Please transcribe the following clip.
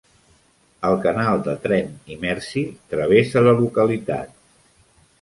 "El canal de Trent i Mersey travessa la localitat."